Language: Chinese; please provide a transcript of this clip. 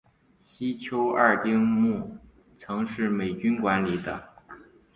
西丘二丁目曾是美军管理的。